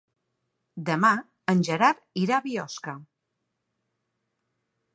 Demà en Gerard irà a Biosca.